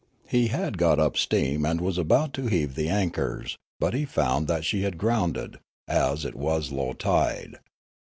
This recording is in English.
He had got up steam and was about to heave the anchors, but he found that she had grounded, as it was low tide.